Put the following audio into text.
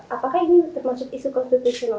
apakah ini termasuk isu konstitusional